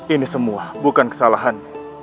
ini semua bukan kesalahan